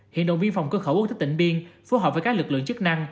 hiện đồng viên phòng cơ khẩu quốc tế tỉnh biên phù hợp với các lực lượng chức năng